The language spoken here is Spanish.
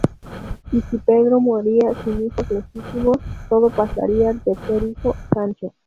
Y si Pedro moría sin hijos legítimos, todo pasaría al tercer hijo Sancho.